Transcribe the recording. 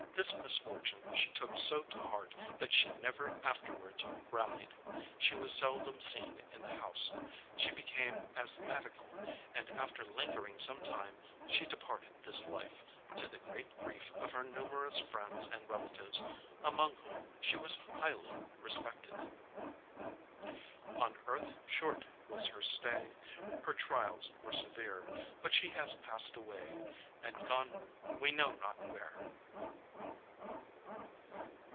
This misfortune she took so to heart, that she never afterwards rallied. She was seldom seen in the house. She became asthmatical; and after lingering some time, she departed this life, to the great grief of her numerous friends and relatives, among whom she was highly respected. On earth short was her stay, Her trials were severe; But she has passed away, And gone we know not where.